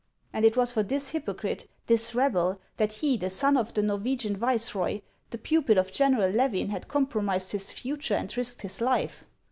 And it was for this hypocrite, this rebel, that he, the son of the Norwegian viceroy, the pupil of General Levin, had compromised his future and risked his life